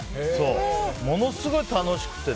ものすごい楽しくて。